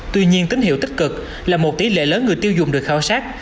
tuy nhiên tín hiệu tích cực là một tỷ lệ lớn người tiêu dùng được khảo sát